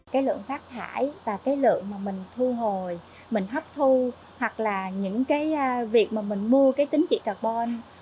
cái lượng phát thải và cái lượng mà mình thu hồi mình hấp thu hoặc là những cái việc mà mình mua cái tính trị carbon